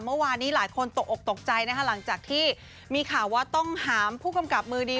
เมื่อวานนี้หลายคนตกออกตกใจนะคะหลังจากที่มีข่าวว่าต้องหามผู้กำกับมือดี